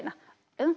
うん？